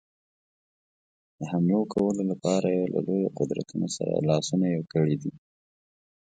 د حملو کولو لپاره یې له لویو قدرتونو سره لاسونه یو کړي دي.